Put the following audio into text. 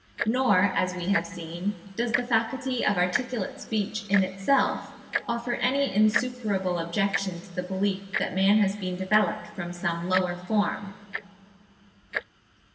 Nor, as we have seen, does the faculty of articulate speech in itself offer any insuperable objection to the belief that man has been developed from some lower form.